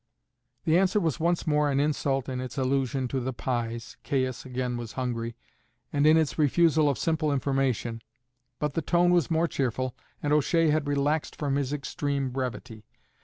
The answer was once more an insult in its allusion to the pies (Caius was again hungry), and in its refusal of simple information; but the tone was more cheerful, and O'Shea had relaxed from his extreme brevity.